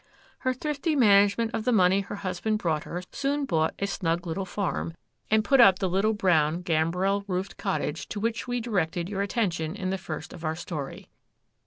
Her thrifty management of the money her husband brought her soon bought a snug little farm, and put up the little brown gambrel roofed cottage to which we directed your attention in the first of our story.